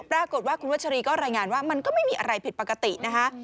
ปรากฏว่าคุณวัชรีก็รายงานว่ามันก็ไม่มีอะไรผิดปกตินะคะ